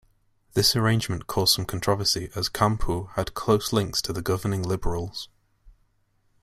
This arrangement caused some controversy as Campeau had close links to the governing Liberals.